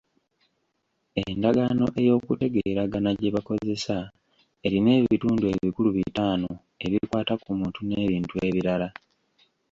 Endagaano ey'okutegeeragana gye bakozesa erina ebitundu ebikulu bitaano, ebikwata ku muntu n'ebintu ebirala.